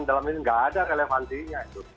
dalam ini tidak ada relevansinya